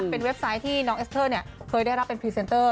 เป็นเว็บไซต์ที่น้องเอสเตอร์เคยได้รับเป็นพรีเซนเตอร์